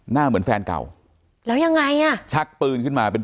เหมือนแฟนเก่าแล้วยังไงอ่ะชักปืนขึ้นมาเป็น